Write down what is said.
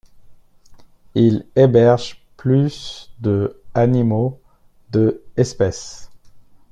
Il héberge plus de animaux de espèces.